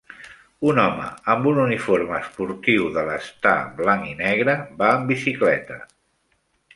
Un home amb un uniforme esportiu d'elastà blanc i negre va amb bicicleta